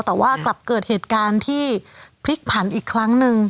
แต่ว่ากลับเกิดเหตุการณ์ที่พลิกผันอีกครั้งหนึ่ง